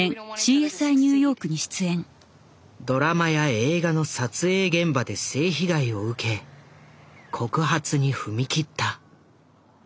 ドラマや映画の撮影現場で性被害を受け告発に踏み切った。